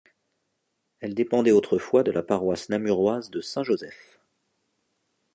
Elle dépendait autrefois de la paroisse namuroise de Saint Joseph.